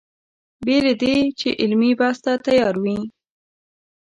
بې له دې چې علمي بحث ته تیار وي.